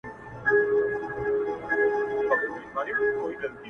نه مي د دار له سره واورېدې د حق سندري-